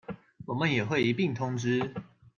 我們也會一併通知